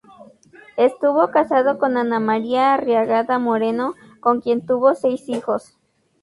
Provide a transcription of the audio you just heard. Estuvo casado con Ana María Arriagada Moreno, con quien tuvo seis hijos.